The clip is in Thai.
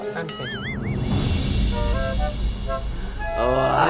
ตั้งเสร็จ